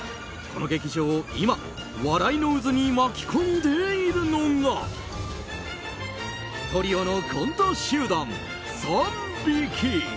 この劇場を今笑いの渦に巻き込んでいるのがトリオのコント集団、三匹。